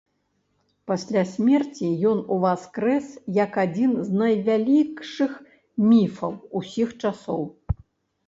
Пасля смерці ён уваскрэс як адзін з найвялікшых міфаў усіх часоў.